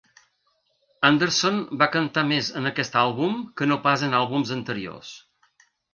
Anderson va cantar més en aquest àlbum que no pas en àlbums anteriors.